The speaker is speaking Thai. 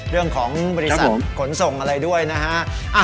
เรื่องของบริษัทขนส่งอะไรด้วยนะฮะ